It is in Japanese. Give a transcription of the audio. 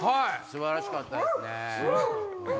素晴らしかったですね。